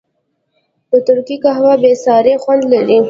د ترکي قهوه بېساری خوند لري.